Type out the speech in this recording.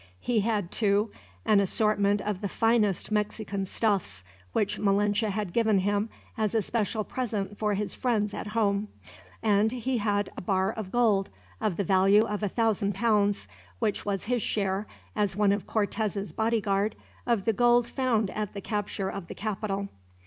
He had, too, an assortment of the finest Mexican stuffs, which Malinche had given him as a special present for his friends at home; and he had a bar of gold, of the value of a thousand pounds, which was his share (as one of Cortez's bodyguard) of the gold found at the capture of the capital.